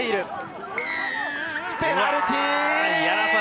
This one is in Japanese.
ペナルティー！